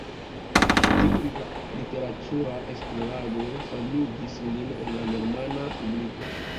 Tiu literatura esplorado famigis lin en la germana publiko.